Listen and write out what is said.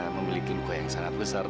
memiliki luka yang sangat besar